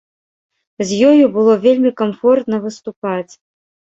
З ёю было вельмі камфортна выступаць.